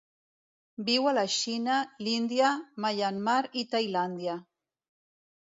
Viu a la Xina, l'Índia, Myanmar i Tailàndia.